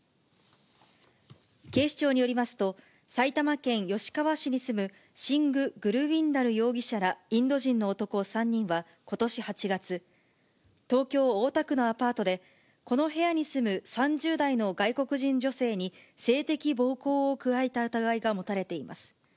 警視庁によりますと、埼玉県吉川市に住むシング・グルウィンダル容疑者らインド人の男３人はことし８月、東京・大田区のアパートで、この部屋に住む３０代の外国人女性に性的暴行を加えた疑いが持たれています。